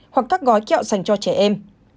hoặc các gói kẹo dành cho trẻ em